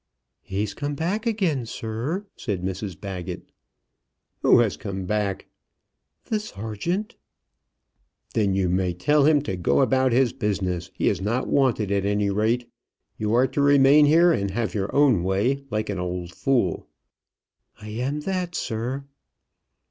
"He's come back again, sir," said Mrs Baggett. "Who has come back?" "The Sergeant." "Then you may tell him to go about his business. He is not wanted, at any rate. You are to remain here, and have your own way, like an old fool." "I am that, sir."